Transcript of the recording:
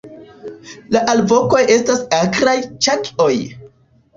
La alvokoj estas akraj "ĉak"'oj.